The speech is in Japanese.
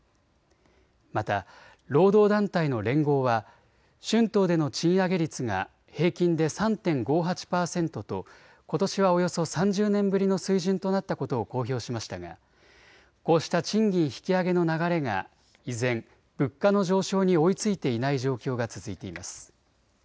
また労働団体の連合は春闘での賃上げ率が平均で３．５８％とことしはおよそ３０年ぶりの水準となったことを公表しましたがこうした賃金引き上げの流れが依然、物価の上昇に追いついていない状況が続いています。